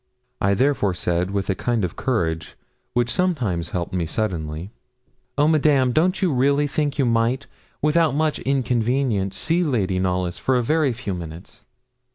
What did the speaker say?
I therefore said with a kind of courage which sometimes helped me suddenly 'Oh, Madame, don't you really think you might, without much inconvenience, see Lady Knollys for a very few minutes?'